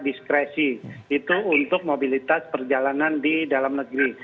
diskresi itu untuk mobilitas perjalanan di dalam negeri